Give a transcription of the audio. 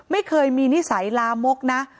ไม่เคยมีนิสัยลามกนะ